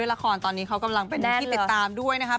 ละครตอนนี้เขากำลังเป็นที่ติดตามด้วยนะครับ